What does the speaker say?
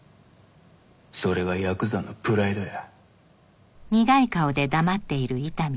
それがヤクザのプライドや。